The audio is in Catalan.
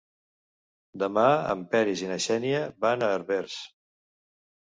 Demà en Peris i na Xènia van a Herbers.